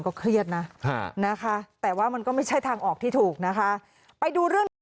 ค่อยทีค่อยใส่กัน